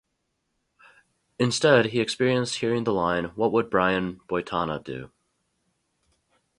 Instead, he experienced hearing the line What Would Brian Boitano Do?